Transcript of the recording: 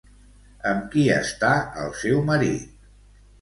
Amb qui està el seu marit?